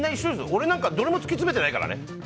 俺なんかどれも突き詰めてないよ。